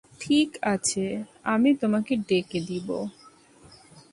ঠিক আছে, আমি তোমাকে ডেকে দিব।